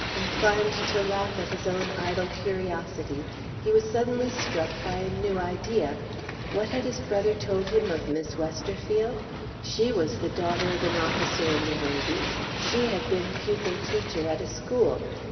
Inclined to laugh at his own idle curiosity, he was suddenly struck by a new idea. What had his brother told him of Miss Westerfield? She was the daughter of an officer in the Navy; she had been pupil teacher at a school.